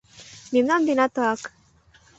Мемнан денат тыгак.